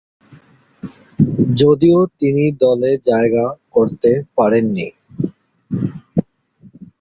যদিও, তিনি দলে জায়গা করতে পারেন নি।